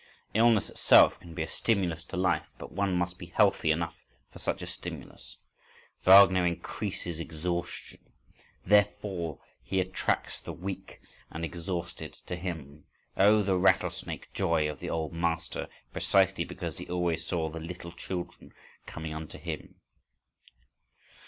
Illness itself can be a stimulus to life but one must be healthy enough for such a stimulus!—Wagner increases exhaustion—therefore he attracts the weak and exhausted to him. Oh, the rattlesnake joy of the old Master precisely because he always saw "the little children" coming unto him!